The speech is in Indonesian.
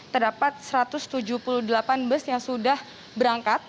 terdapat satu ratus tujuh puluh delapan bus yang sudah berangkat